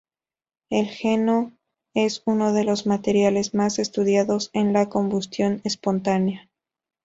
El heno es uno de los materiales más estudiados en la combustión espontánea.